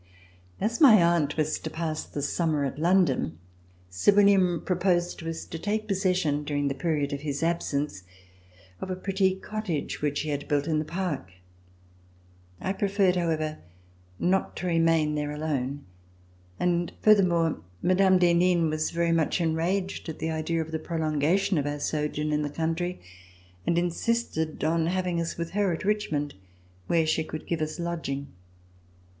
As my aunt was to pass the summer at London, Sir William proposed to us to take possession, during the period of his absence, of a pretty cottage which he had built in the park. I preferred, however, not to remain there alone, and furthermore Mme. d'Henin was very much enraged at the idea of the prolongation of our sojourn in the country and in sisted on having us with her at Richmond where she could give us lodging.